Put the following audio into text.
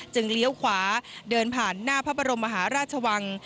เลี้ยวขวาเดินผ่านหน้าพระบรมมหาราชวัง